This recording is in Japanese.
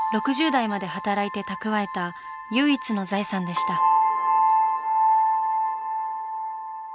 ６０代まで働いて蓄えた唯一の財産でした。